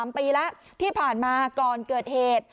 ๓ปีแล้วที่ผ่านมาก่อนเกิดเหตุ